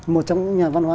một trong những nhà văn hoa